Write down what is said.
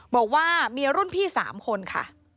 บอกว่ามีรุ่นพี่๓คนค่ะ